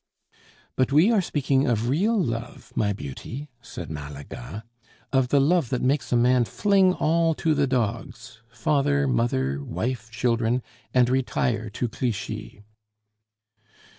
"But we are speaking of real love, my beauty," said Malaga, "of the love that makes a man fling all to the dogs father, mother, wife, children and retire to Clichy."